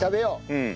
うん。